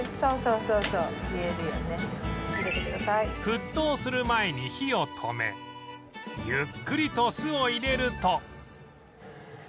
沸騰する前に火を止めゆっくりと酢を入れると